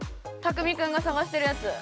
たくみくんが探してるやつ。